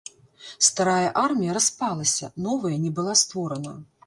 Старая армія распалася, новая не была створана.